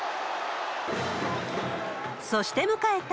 そして迎えた